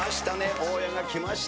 大家がきました。